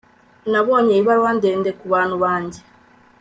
nabonye ibaruwa ndende kubantu banjye